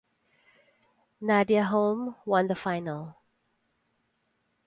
Nadja Holm won the final.